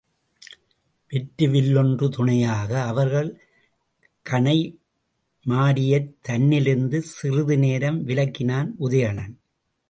வெற்று வில்லொன்றே துணையாக, அவர்கள் கணை மாரியைத் தன்னிலிருந்து சிறிது நேரம் விலக்கினான் உதயணன்.